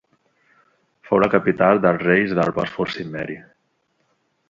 Fou la capital dels reis del Bòsfor Cimmeri.